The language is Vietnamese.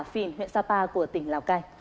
đó là phìn huyện sapa của tỉnh lào cai